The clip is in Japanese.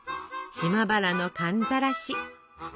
島原の寒ざらし。